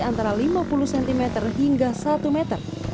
antara lima puluh cm hingga satu meter